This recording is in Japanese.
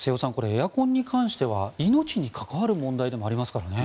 エアコンに関しては命に関わる問題でもありますからね。